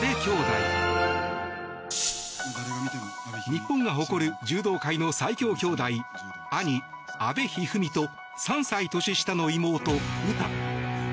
日本が誇る柔道界の最強兄妹兄・阿部一二三と３歳の年下の妹・詩。